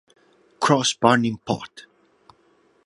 Cross Burning, Pt.